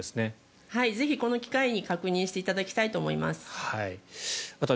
ぜひこの機会に確認していただきたいと思います。